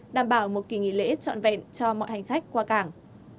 đảm bảo một kỳ nghỉ lễ trọn vẹn cho mọi hành khách qua cảng